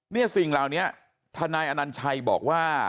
สิ่งเหล่านี้ทนายอนัญชัยบอกว่า